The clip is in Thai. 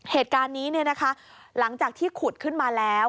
เหตุการณ์นี้หลังจากที่ขุดขึ้นมาแล้ว